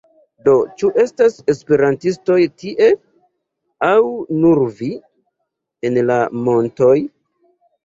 Do, ĉu estas esperantistoj tie? aŭ nur vi? en la montoj?